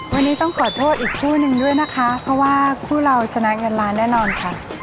วันนี้ต้องขอโทษอีกคู่นึงด้วยนะคะเพราะว่าคู่เราชนะเงินล้านแน่นอนค่ะ